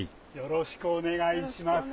よろしくお願いします。